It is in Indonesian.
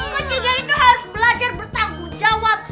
ketiga itu harus belajar bertanggung jawab